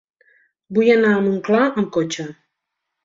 Vull anar a Montclar amb cotxe.